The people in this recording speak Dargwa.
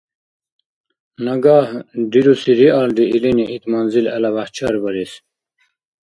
Нагагь рируси риалри илини ит манзил гӀелабяхӀ чарбарес